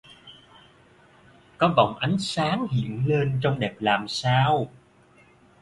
Có vòng ánh sáng hiện lên trông đẹp làm sao